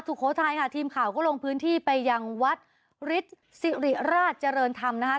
โขทัยค่ะทีมข่าวก็ลงพื้นที่ไปยังวัดฤทธิ์สิริราชเจริญธรรมนะคะ